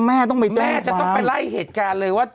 แม่ต้องไปแจ้งความแม่จะต้องไปไล่เหตุการณ์เลยว่า